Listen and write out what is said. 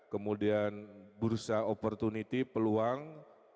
kemudian bursa opportunity peluang